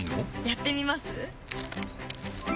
やってみます？